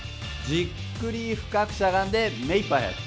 じっくり深くしゃがんで目いっぱい速く。